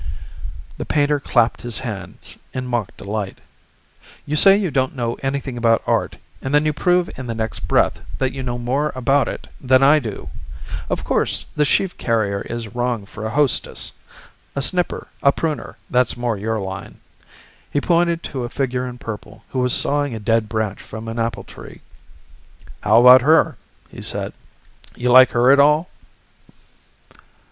The painter clapped his hands in mock delight. "You say you don't know anything about art, and then you prove in the next breath that you know more about it than I do! Of course the sheave carrier is wrong for a hostess! A snipper, a pruner that's more your line." He pointed to a figure in purple who was sawing a dead branch from an apple tree. "How about her?" he said. "You like her at all?"